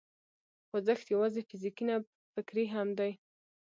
خوځښت یوازې فزیکي نه، فکري هم دی.